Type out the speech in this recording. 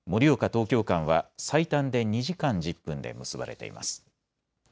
東京間は最短で２時間１０分で結ばれています。